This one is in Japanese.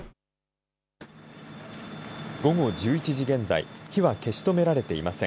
午後１１時現在火は消し止められていません。